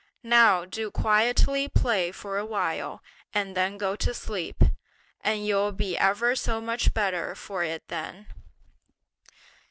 Now do quietly play for a while, and then go to sleep, and you'll be ever so much better for it then."